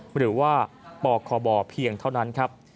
หรือว่าปคบเพียงเท่านั้นครับ